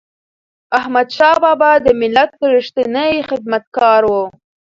احمدشاه بابا د ملت ریښتینی خدمتګار و.